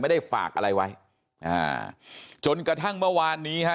ได้ฝากอะไรไว้อ่าจนกระทั่งเมื่อวานนี้ฮะ